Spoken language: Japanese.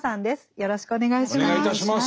よろしくお願いします。